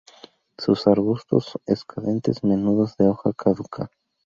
Son arbustos escandentes menudos de hoja caduca.